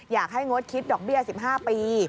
อยากให้งดคิดดอกเบี้ย๑๕ปี